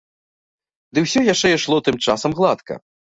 Ды ўсё яшчэ ішло тым часам гладка.